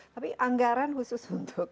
tapi anggaran khusus untuk